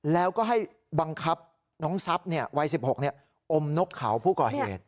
แล้วก็ให้บังคับน้องทรัพย์วัย๑๖อมนกเขาผู้ก่อเหตุ